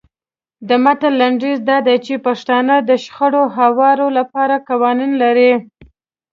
د متن لنډیز دا دی چې پښتانه د شخړو هواري لپاره قوانین لري.